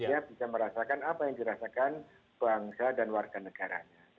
dia bisa merasakan apa yang dirasakan bangsa dan warga negaranya